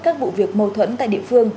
các vụ việc mâu thuẫn tại địa phương